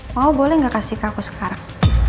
mau boleh gak kasih ke aku sekarang